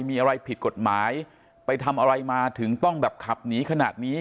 มีอะไรผิดกฎหมายไปทำอะไรมาถึงต้องแบบขับหนีขนาดนี้